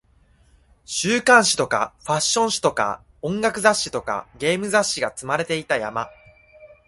週刊誌とかファッション誌とか音楽雑誌とかゲーム雑誌が積まれていた山